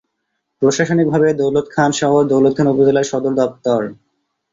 প্রশাসনিক ভাবে দৌলতখান শহর দৌলতখান উপজেলার সদর দফতর।